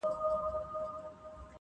ګوښه پروت وو د مېږیانو له آزاره-